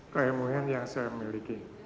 baik sekarang kali ini kita mulai